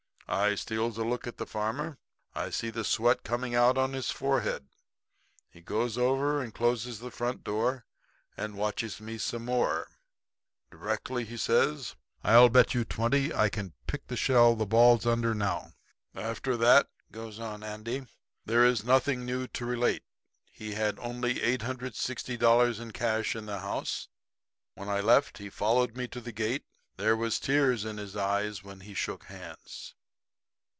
"'I steals a look at the farmer man. I see the sweat coming out on his forehead. He goes over and closes the front door and watches me some more. Directly he says: "I'll bet you twenty I can pick the shell the ball's under now." "'After that,' goes on Andy, 'there is nothing new to relate. He only had $860 cash in the house. When I left he followed me to the gate. There was tears in his eyes when he shook hands.